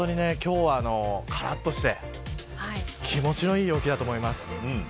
今日はからっとして気持ちのいい陽気だと思います。